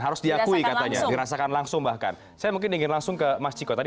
harus diakui katanya dirasakan langsung bahkan saya mungkin ingin langsung ke mas ciko tadi